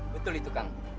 betul itu kang